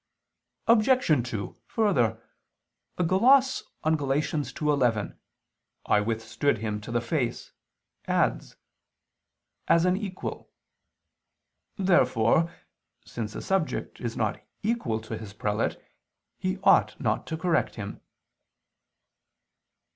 Obj. 2: Further, a gloss on Gal. 2:11, "I withstood him to the face," adds: "as an equal." Therefore, since a subject is not equal to his prelate, he ought not to correct him.